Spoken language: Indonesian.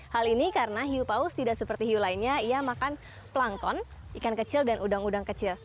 hal ini karena hiu paus tidak seperti hiu lainnya ia makan plankton ikan kecil dan udang udang kecil